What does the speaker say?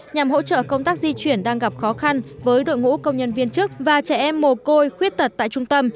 nhằm hỗ trợ công tác di chuyển đang gặp khó khăn với đội ngũ công nhân viên chức và trẻ em mồ côi khuyết tật tại trung tâm